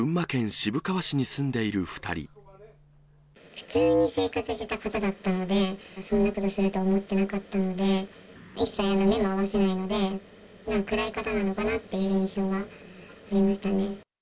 普通に生活してた方だったので、そんなことすると思ってなかったので、一切目も合わせないので、なんか暗い方なのかなって印象はありましたね。